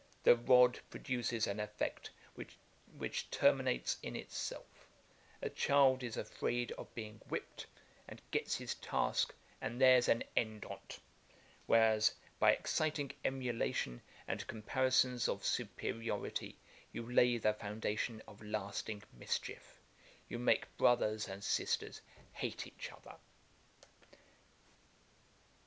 The rod produces an effect which terminates in itself. A child is afraid of being whipped, and gets his task, and there's an end on't; whereas, by exciting emulation and comparisons of superiority, you lay the foundation of lasting mischief; you make brothers and sisters hate each other.'